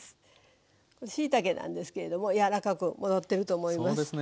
しいたけなんですけれども柔らかく戻ってると思います。